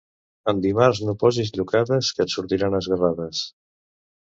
En dimarts no posis llocades, que et sortiran esguerrades.